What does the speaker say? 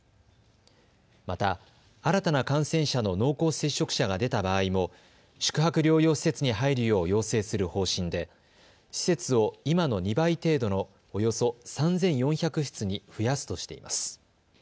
また新たな感染者の濃厚接触者が出た場合も宿泊療養施設に入るよう要請する方針で施設を今の２倍程度のおよそ３４００室に増やすとしています。